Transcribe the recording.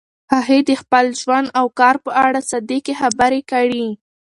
هغې د خپل ژوند او کار په اړه صادقې خبرې کړي.